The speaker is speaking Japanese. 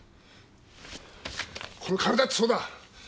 この金だってそうだ。